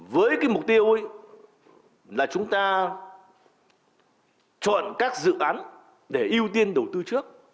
với cái mục tiêu là chúng ta chọn các dự án để ưu tiên đầu tư trước